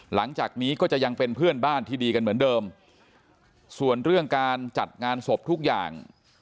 หลังจากนี้ก็จะยังเป็นเพื่อนบ้านที่ดีกันเหมือนเดิมส่วนเรื่องการจัดงานศพทุกอย่าง